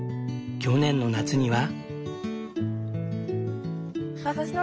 去年の夏には。